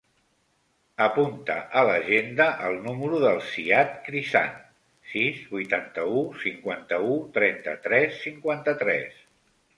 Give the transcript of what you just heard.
Apunta a l'agenda el número del Ziad Crisan: sis, vuitanta-u, cinquanta-u, trenta-tres, cinquanta-tres.